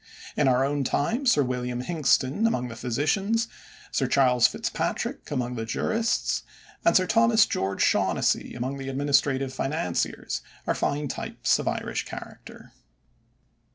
In our own time Sir William Hingston among the physicians, Sir Charles Fitzpatrick among the jurists, and Sir Thomas George Shaughnessy among the administrative financiers are fine types of Irish character.